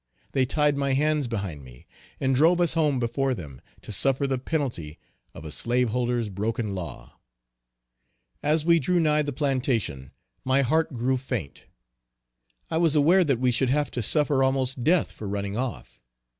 They tied my hands behind me, and drove us home before them, to suffer the penalty of a slaveholder's broken law. As we drew nigh the plantation my heart grew faint. I was aware that we should have to suffer almost death for running off.